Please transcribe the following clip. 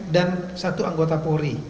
dan satu anggota polri